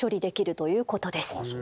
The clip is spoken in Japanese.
そういうことです。